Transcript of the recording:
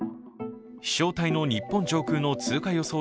飛しょう体の日本上空の通過予想